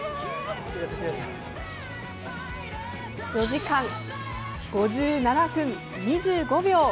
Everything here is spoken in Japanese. ４時間５７分２５秒。